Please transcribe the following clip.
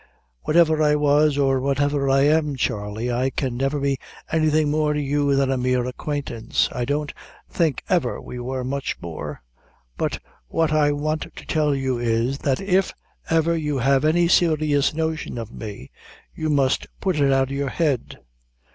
"Whatever I was, or whatever I am, Charley, I can never be anything more to you than a mere acquaintance I don't think ever we were much more but what I want to tell you is, that if ever you have any serious notion of me, you must put it out of your head."